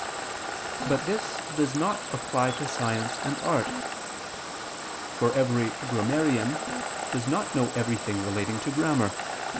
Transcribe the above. But this does not apply to science and art: for every grammarian does not know everything relating to grammar.